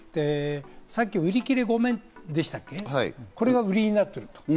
さっき売切御免でしたっけ、これが売りになっていると。